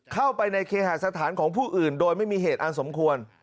เข้าไปในเคหาสถานของผู้อื่นโดยไม่มีเหตุอันสมควร